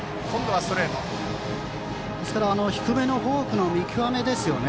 低めのフォークの見極めですよね